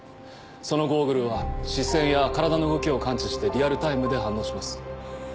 そのゴーグルは視線や体の動きを感知してリアルタイムで反応します。